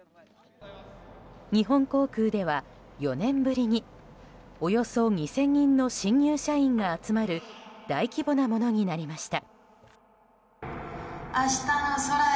日本航空では４年ぶりにおよそ２０００人の新入社員が集まる大規模なものになりました。